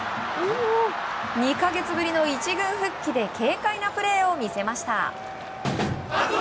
２か月ぶりの１軍復帰で軽快なプレーを見せました。